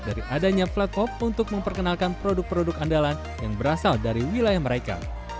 dari adanya flatkop untuk memperkenalkan produk produk andalan yang berasal dari wilayah mereka